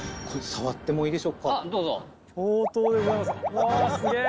うわすげぇ。